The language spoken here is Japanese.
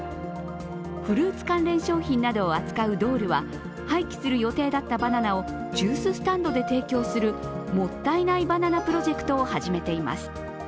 フルーツ関連商品などを扱うドールは廃棄する予定だったバナナをジューススタンドで提供するもったいないバナナプロジェクトを始めています。